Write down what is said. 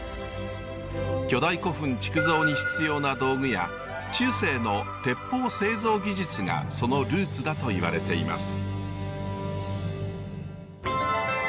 巨大古墳築造に必要な道具や中世の鉄砲製造技術がそのルーツだといわれています。